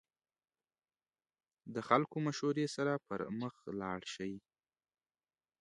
د خلکو مشورې سره پرمخ لاړ شئ.